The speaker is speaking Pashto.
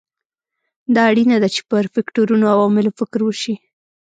دا اړینه ده چې پر فکټورونو او عواملو فکر وشي.